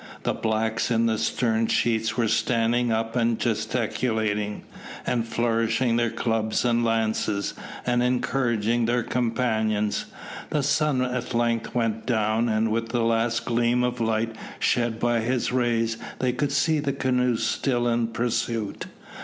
The blacks in the stern sheets were standing up and gesticulating, and flourishing their clubs and lances, and encouraging their companions. The sun at length went down, and with the last gleam of light shed by his rays they could see the canoes still in pursuit.